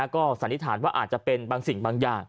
ก็สันนิษฐานว่าอาจจะเป็นบางสิ่งบางอย่าง